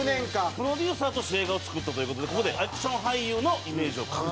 プロデューサーとして映画を作ったという事でここでアクション俳優のイメージを確立したんですね。